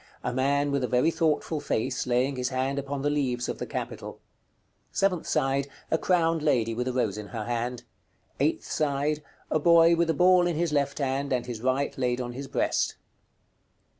_ A man with a very thoughtful face, laying his hand upon the leaves of the capital. Seventh side. A crowned lady, with a rose in her hand. Eighth side. A boy with a ball in his left hand, and his right laid on his breast.